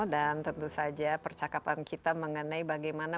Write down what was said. dan tentu saja percakapan kita mengenai bagaimana